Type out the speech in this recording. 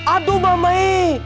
aduh mama e